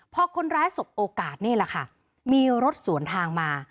พอคนร้ายสบโอกาสนี่แหละค่ะมีรถสวนทางมา